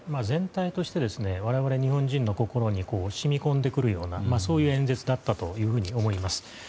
全体として我々日本人の心に染み込んでくるような演説だったと思います。